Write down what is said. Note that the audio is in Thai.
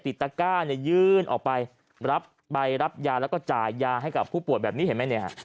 ตะก้าเนี่ยยื่นออกไปรับใบรับยาแล้วก็จ่ายยาให้กับผู้ป่วยแบบนี้เห็นไหมเนี่ยฮะ